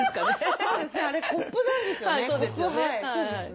そうですねあれコップなんですよね。